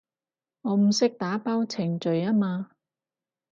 我唔識打包程序吖嘛